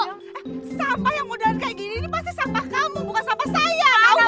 eh sampah yang mudahan kayak gini ini pasti sampah kamu bukan sampah saya tau gak